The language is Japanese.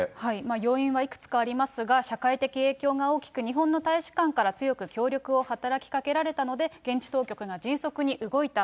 要因はいくつかありますが、社会的影響が大きく、日本の大使館から強く協力を働きかけられたので、現地当局が迅速に動いた。